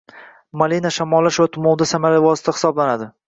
Malina shamollash va tumovda samarali vosita hisoblanadi